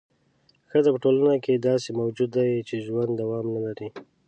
ښځه په ټولنه کې داسې موجود دی چې ژوند دوام نه لري.